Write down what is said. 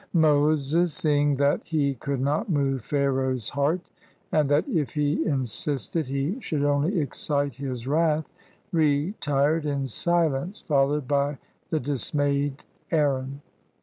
Moses, seeing that he could not move Pharaoh's heart, and that if he insisted he should only excite his wrath, retired in silence, followed by the dismayed Aaron.